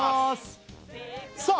さあ